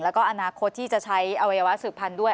แล้วก็อนาคตที่จะใช้อวัยวะสืบพันธุ์ด้วย